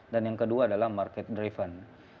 dan yang kedua adalah market driven